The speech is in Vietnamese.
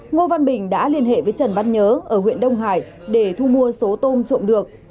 ngô văn bình đã liên hệ với trần văn nhớ ở huyện đông hải để thu mua số tôm trộm được